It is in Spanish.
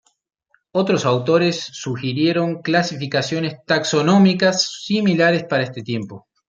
Otros autores sugirieron clasificaciones taxonómicas similares para ese tiempo.